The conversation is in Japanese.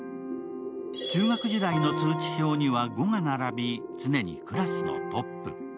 中学時代の通知表には５が並び常にクラスのトップ。